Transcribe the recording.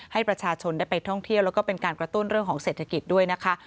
ให้ประชาชนได้ไปท่องเที่ยวแล้วก็เป็นการกระตุ้นเรื่องของเศรษฐกิจด้วยนะคะ